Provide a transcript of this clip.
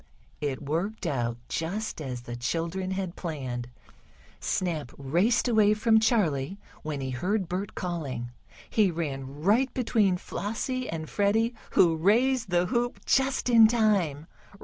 It worked out just as the children had planned. Snap raced away from Charley, when he heard Bert calling. He ran right between Flossie and Freddie, who raised the hoop just in time.